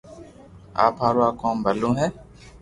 آپ ھارو آ ڪوم ڀلو ھي